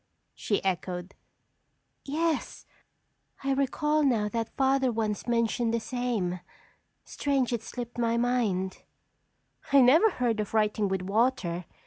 she echoed. "Yes, I recall now that Father once mentioned the same. Strange it slipped my mind." "I never heard of writing with water.